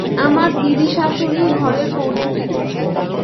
আমার দিদিশাশুড়িই ঘরের কর্ত্রী।